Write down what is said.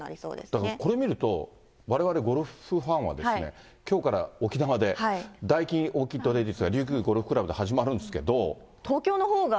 だからこれ見ると、われわれゴルフファンは、きょうから沖縄で、ダイキンオーキットレディースがりゅうきゅうゴルフくらぶで始ま東京のほうが。